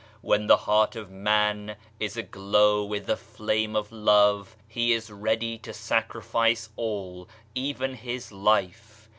When the heart of man is aglow with the flame of love, he is ready to sacrifice all even his life.